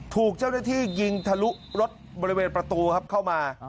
ถูกเจ้าหน้าที่ยิงทะลุรถบริเวณประตูครับเข้ามา